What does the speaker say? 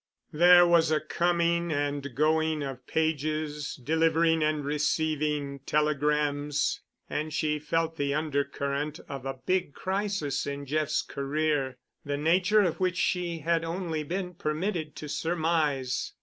There was a coming and going of pages delivering and receiving telegrams, and she felt the undercurrent of a big crisis in Jeff's career—the nature of which she had only been permitted to surmise.